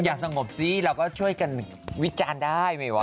อย่าสงบสิเราก็ช่วยกันวิจารณ์ได้มั้ยวะ